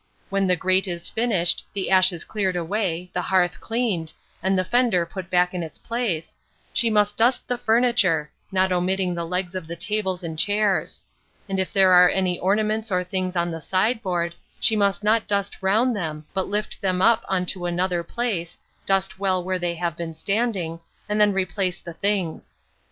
When the grate is finished, the ashes cleared away, the hearth cleaned, and the fender put back in its place, she must dust the furniture, not omitting the legs of the tables and chairs; and if there are any ornaments or things on the sideboard, she must not dust round them, but lift them up on to another place, dust well where they have been standing, and then replace the things.